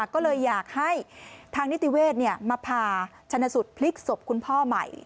ก็เลยอยากให้ทางนิติเวศมาพาชนะสุดพลิกศพคุณพ่อใหม่